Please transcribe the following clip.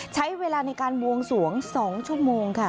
ใช้เวลาในการบวงสวง๒ชั่วโมงค่ะ